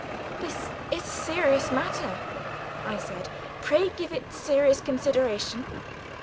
"This is a serious matter," I said. "Pray give it serious consideration."